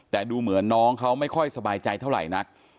แต่ดูเหมือนน้องเขาไม่ค่อยสบายใจเท่าไหร่นัก